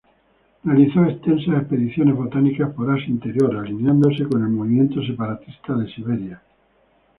Realizó extensas expediciones botánicas por Asia Interior, alineándose con el movimiento separatista de Siberia.